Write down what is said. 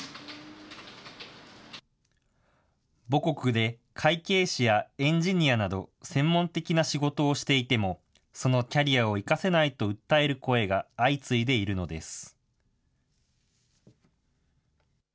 母国で会計士やエンジニアなど、専門的な仕事をしていても、そのキャリアを生かせないと訴える声が相次いでいるのです。